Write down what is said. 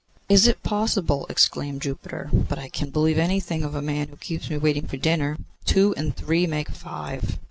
'Is it possible?' exclaimed Jupiter. 'But I can believe anything of a man who keeps me waiting for dinner. Two and three make five.